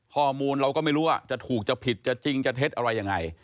ข้อมูลเราก็ไม่รู้ว่าจะถูกจะผิดจะจริงจะเท็จอะไรยังไง